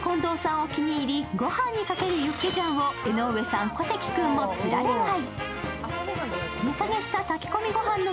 お気に入り、ごはんにかけるユッケジャンを江上さん、小関君もつられ買い。